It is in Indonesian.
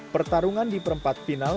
pertarungan di perempat final